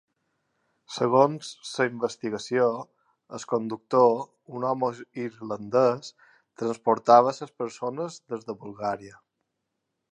Segons la investigació, el conductor, un home irlandès, transportava les persones des de Bulgària.